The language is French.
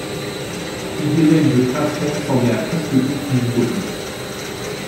L’idée même de création semblait à presque tous une utopie.